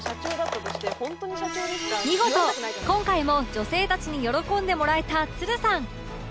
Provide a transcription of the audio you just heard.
見事今回も女性たちに喜んでもらえたつるさん